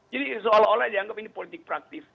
jadi seolah olah dianggap ini politik praktis